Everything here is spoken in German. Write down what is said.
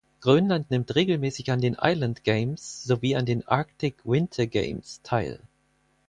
Grönland nimmt regelmäßig an den Island Games sowie an den Arctic Winter Games teil.